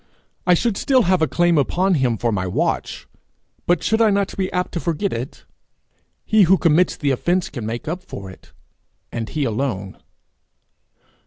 I should still have a claim upon him for my watch, but should I not be apt to forget it? He who commits the offence can make up for it and he alone.